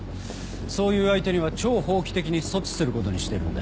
そういう相手には超法規的に措置することにしてるんだ。